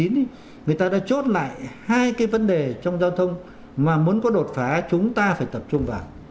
người ta đã chốt lại hai cái vấn đề trong giao thông mà muốn có đột phá chúng ta phải tập trung vào